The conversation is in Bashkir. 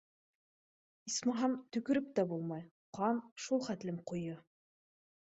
Исмаһам, төкөрөп тә булмай, ҡан шул хәтлем ҡуйы.